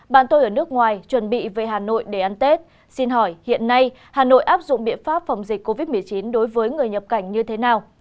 bạn tôi ở nước ngoài chuẩn bị về hà nội để ăn tết xin hỏi hiện nay hà nội áp dụng biện pháp phòng dịch covid một mươi chín đối với người nhập cảnh như thế nào